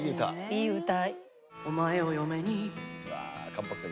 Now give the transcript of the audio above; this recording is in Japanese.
いい歌。